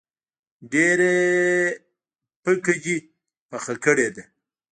ډیره پکه دي پخه کړی ده